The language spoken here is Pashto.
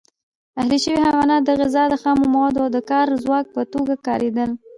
اهلي شوي حیوانات د غذا، خامو موادو او د کار ځواک په توګه کارېدل.